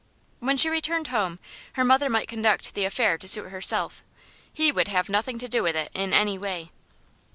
When she returned home her mother might conduct the affair to suit herself. He would have nothing to do with it in any way.